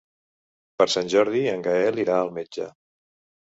Per Sant Jordi en Gaël irà al metge.